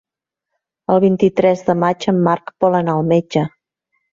El vint-i-tres de maig en Marc vol anar al metge.